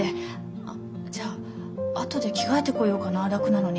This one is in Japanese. あじゃああとで着替えてこようかな楽なのに。